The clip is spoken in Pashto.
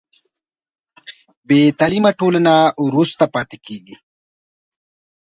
بې تعلیمه ټولنه وروسته پاتې کېږي.